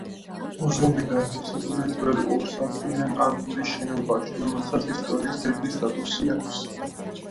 მუზეუმი განთავსებულია ძველ ორსართულიან აგურის შენობაში, რომელსაც ისტორიის ძეგლის სტატუსი აქვს.